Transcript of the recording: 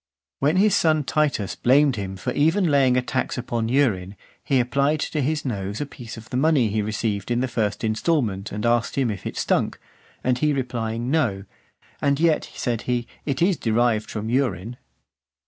When his son Titus blamed him for even laying a tax upon urine, he applied to his nose a piece of the money he received in the first instalment, and asked him, "if it stunk?" And he replying no, "And yet," said he, "it is derived from urine."